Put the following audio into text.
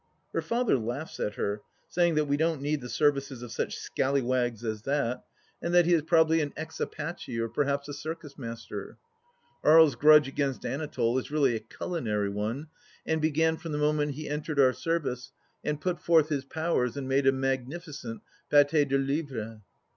. Her father laughs at her, saying that we don't need the services of such scallywags as that, and that he is probably THE LAST DITCH 19 an ex Apache or perhaps a circus master. Aries' grudge against Anatole is really a culinary one, and began from the moment he entered our service and put forth his powers and made a magnificent PdtS de lievre.